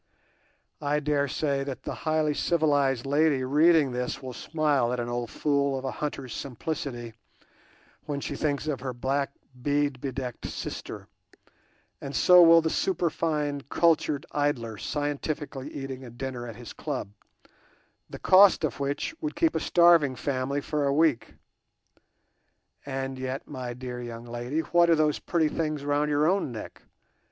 I dare say that the highly civilized lady reading this will smile at an old fool of a hunter's simplicity when she thinks of her black bead bedecked sister; and so will the superfine cultured idler scientifically eating a dinner at his club, the cost of which would keep a starving family for a week. And yet, my dear young lady, what are those pretty things round your own neck?